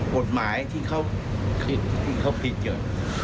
กฎหมายที่เขาผิดที่เขาผิดเกิด